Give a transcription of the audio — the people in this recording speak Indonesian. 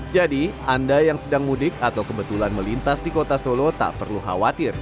jadi anda yang sedang mudik atau kebetulan melintas di kota solo tak perlu khawatir